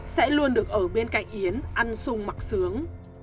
sẽ luôn được ở bên cạnh yến ăn xung mặc sướng